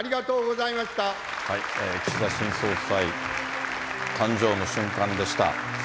岸田新総裁、誕生の瞬間でした。